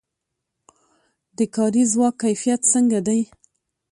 د کاري ځواک کیفیت څنګه دی؟